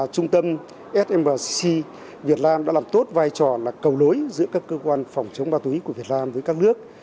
trung tâm smc việt nam đã làm tốt vai trò là cầu nối giữa các cơ quan phòng chống ma túy của việt nam với các nước